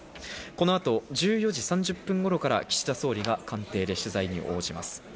この後、１４時３０分頃から岸田総理が官邸で取材に応じます。